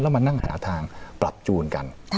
แล้วมานั่งหาทางปรับจูนกัน